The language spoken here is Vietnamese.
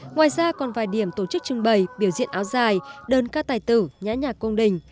ngoài ra còn vài điểm tổ chức trưng bày biểu diễn áo dài đơn ca tài tử nhã nhạc cung đình